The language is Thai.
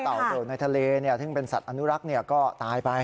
เต่าเกิดในทะเลถึงเป็นสัตว์อนุรักษ์ก็ตายไป